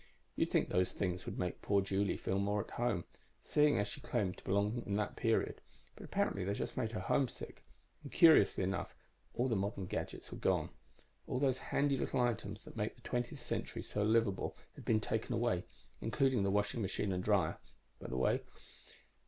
You'd think those things would make poor Julie feel more at home, seeing as she claimed to belong in that period, but apparently they just made her homesick. And, curiously enough, all the modern gadgets were gone. All those handy little items that make the twentieth century so livable had been taken away including the washing machine and dryer, by the way.